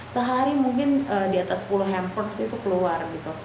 sehari mungkin di atas sepuluh hampers itu keluar gitu